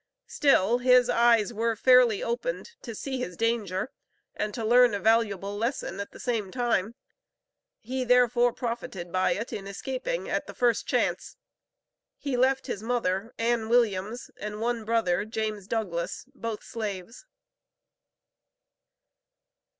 Still, his eyes were fairly opened to see his danger and to learn a valuable lesson at the same time; he, therefore, profited by it in escaping the first chance. He left his mother Ann Williams, and one brother, James Douglass, both slaves.